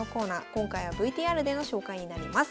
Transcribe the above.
今回はＶＴＲでの紹介になります。